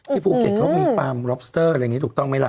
ภูเก็ตเขามีฟาร์มล็อปสเตอร์อะไรอย่างนี้ถูกต้องไหมล่ะ